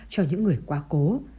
cho những người quá cố